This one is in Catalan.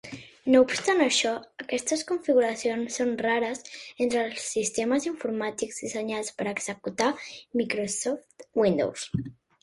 No obstant això, aquestes configuracions són rares entre els sistemes informàtics dissenyats per executar Microsoft Windows.